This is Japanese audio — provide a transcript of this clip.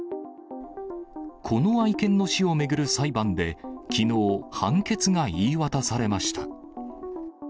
この愛犬の死を巡る裁判できのう、判決が言い渡されました。